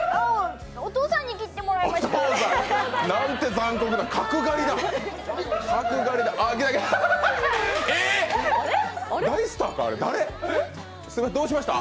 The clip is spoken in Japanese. お父さんに切ってもらいました。